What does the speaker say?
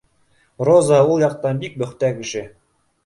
Роза ул яҡтан бик бөхтә кеше